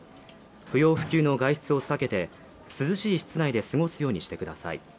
不要不急の外出を避けて涼しい室内で過ごすようにしてください。